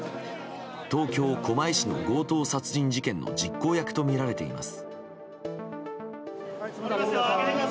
東京・狛江市の強盗殺人事件の実行役とみられています。